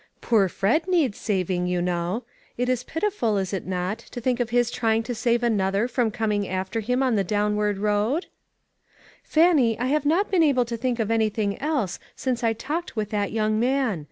Poor Fred needs saving, you know. It is pitiful, is it not, to think of his trying to save another from coming after him. on the downward road? "WHERE IS JOHN?" 469 " Fannie, I have not been able to tliink of anything else since I talked with that young man.